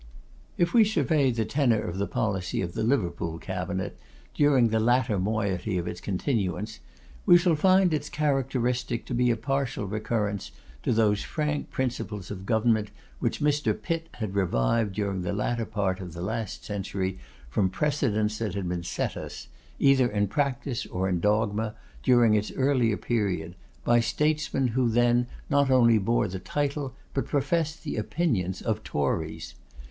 If we survey the tenor of the policy of the Liverpool Cabinet during the latter moiety of its continuance, we shall find its characteristic to be a partial recurrence to those frank principles of government which Mr. Pitt had revived during the latter part of the last century from precedents that had been set us, either in practice or in dogma, during its earlier period, by statesmen who then not only bore the title, but professed the opinions, of Tories.